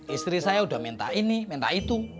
istri saya sudah minta ini minta itu